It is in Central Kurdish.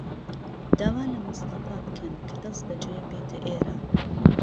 داوا لە مستەفا بکەن کە دەستبەجێ بێتە ئێرە.